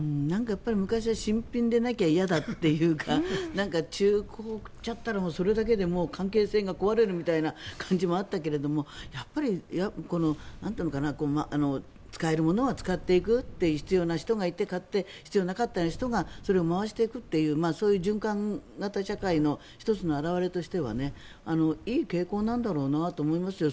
昔は新品でなければ嫌だっていうか中古をあげちゃったらそれだけで関係性が壊れるみたいなことがあったけどやっぱり使えるものは使っていくという必要な人がいて買って必要なかった人がそれを回していくっていう循環型社会の１つの表れとしてはいい傾向なんだろうなと思いますよ。